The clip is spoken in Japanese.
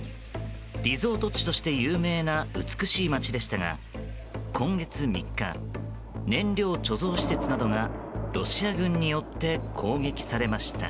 リゾート地として有名な美しい街でしたが今月３日、燃料貯蔵施設などがロシア軍によって攻撃されました。